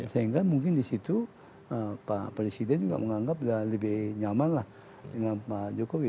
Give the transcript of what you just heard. sehingga mungkin di situ pak presiden juga menganggap lebih nyaman lah dengan pak jokowi